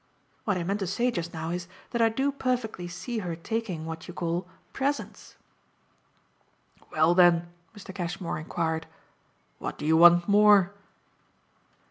What I meant to say just now is that I do perfectly see her taking what you call presents." "Well then," Mr. Cashmore enquired, "what do you want more?"